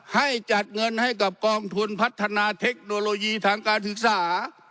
ให้จัดเงินให้กับกองทุนพัฒนาเทคโนโลยีทางการศึกษา